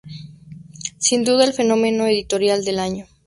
Sin duda, el fenómeno editorial del año.